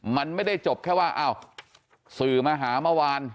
มันไม่ได้จบแค่ว่าอ้าวสื่อมาหาเมื่อวาน